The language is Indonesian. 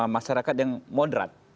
masyarakat yang moderat